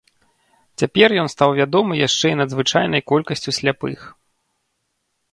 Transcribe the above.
Цяпер ён стаў вядомы яшчэ і надзвычайнай колькасцю сляпых.